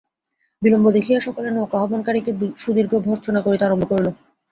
বিলম্ব দেখিয়া সকলে নৌকা-আহ্বানকারীকে সুদীর্ঘ ভর্ৎসনা করিতে আরম্ভ করিল।